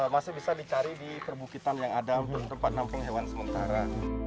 masih bisa dicari di perbukitan yang ada untuk tempat nampung hewan sementara